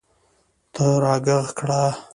ته راږغ کړه !